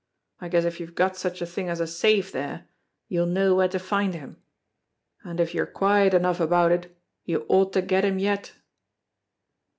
I guess if you've got such a thing as a safe there, you'll know where to find him; and if you're quiet enough about it you ought to get him yet."